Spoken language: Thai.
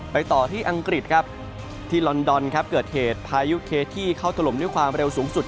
ต่อที่อังกฤษครับที่ลอนดอนครับเกิดเหตุพายุเคที่เข้าถล่มด้วยความเร็วสูงสุด